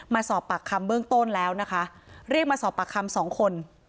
มาสอบปากคำเบื้องต้นแล้วนะคะเรียกมาสอบปากคำสองคน